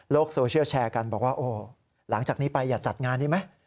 โซเชียลแชร์กันบอกว่าโอ้หลังจากนี้ไปอย่าจัดงานนี้ไหม